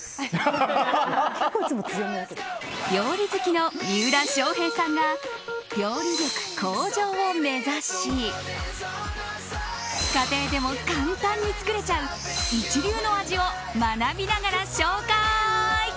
料理好きの三浦翔平さんが料理力向上を目指し家庭でも簡単に作れちゃう一流の味を学びながら紹介。